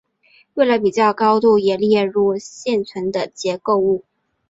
为了比较高度也列入现存的结构物。